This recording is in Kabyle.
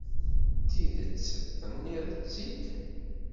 Tidet, tenniḍ-tt-id.